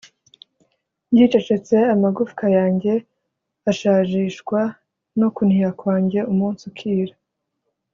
Ngicecetse, amagufka yanjye ashajishwa no kuniha kwanjye umunsi ukira.